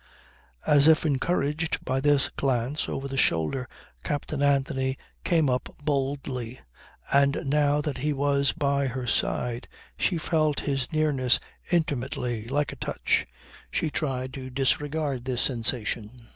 As if encouraged by this glance over the shoulder Captain Anthony came up boldly, and now that he was by her side, she felt his nearness intimately, like a touch. She tried to disregard this sensation.